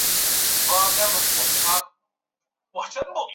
热莱巴尔。